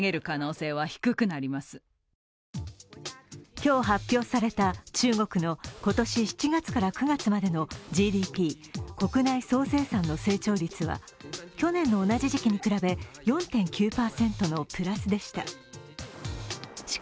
今日発表された中国の今年７月から９月までのＧＤＰは去年の同じ時期に比べ４．９％のプラスでした。